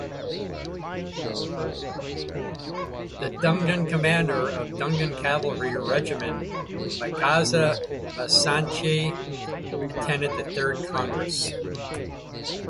The Dungan commander of the Dungan Cavalry Regiment, Magaza Masanchi, attended the Third Congress.